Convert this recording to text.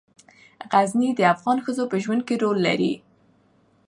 غزني د افغان ښځو په ژوند کې رول لري.